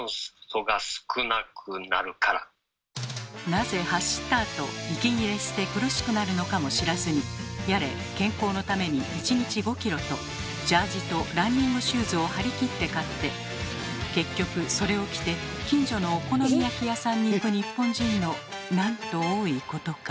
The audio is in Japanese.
なぜ走ったあと息切れして苦しくなるのかも知らずにやれ「健康のために１日５キロ！」とジャージとランニングシューズを張り切って買って結局それを着て近所のお好み焼き屋さんに行く日本人のなんと多いことか。